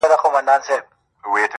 د اسرافیل شپېلۍ ته اور ورته کومه ځمه~